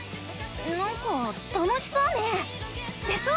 なんか楽しそうねぇ。でしょ！